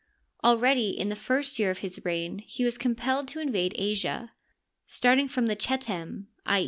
Al ready in the first year of his reign he was compelled to in vade Asia. Starting from the Chetem — i.